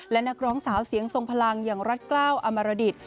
และนักร้องสาวเสียงทรงพลังอย่างรัฐกล้าวอมรดิต